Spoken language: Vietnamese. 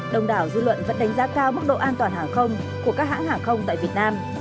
đồng đảo dư luận vẫn đánh giá cao mức độ an toàn hàng không của các hãng hàng không tại việt nam